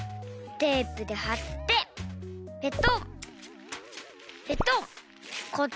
テープではってペトッペトッ。